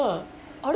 あれ？